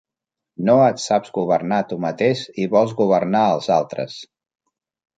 No et saps governar tu mateix i vols governar els altres.